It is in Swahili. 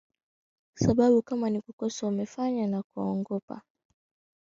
sababu kama ni makosa umefanya na unaogopa kwamba utaondolewa na